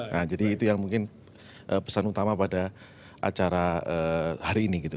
nah jadi itu yang mungkin pesan utama pada acara hari ini gitu